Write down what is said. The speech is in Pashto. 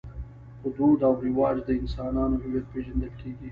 په دود او رواج د انسانانو هویت پېژندل کېږي.